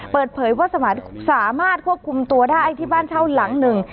เปิดเผยว่าสามารถควบคุมตัวได้ที่บ้านเช่าหลังหนึ่ง